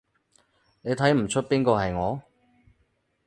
你睇唔岀邊個係我？